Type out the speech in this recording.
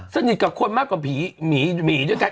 สนิทกับคนมากกว่าผีหมีด้วยกัน